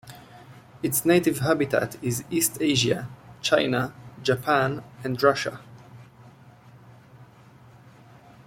Its native habitat is East Asia, China, Japan, and Russia.